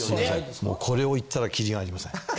これを言ったらキリがありません。